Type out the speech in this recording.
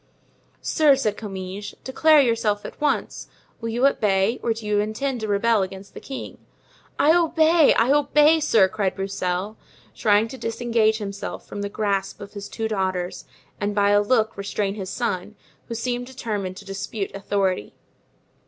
"Sir," said Comminges, "declare yourself at once; will you obey or do you intend to rebel against the king?" "I obey, I obey, sir!" cried Broussel, trying to disengage himself from the grasp of his two daughters and by a look restrain his son, who seemed determined to dispute authority.